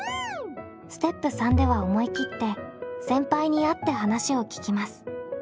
ステップ３では思い切って先輩に会って話を聞きます。